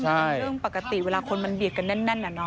เป็นเรื่องปกติเวลาคนมันเบียดกันแน่นอะเนาะ